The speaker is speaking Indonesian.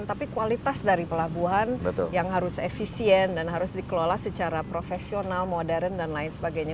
tapi kualitas dari pelabuhan yang harus efisien dan harus dikelola secara profesional modern dan lain sebagainya